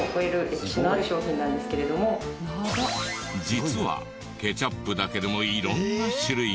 実はケチャップだけでも色んな種類が。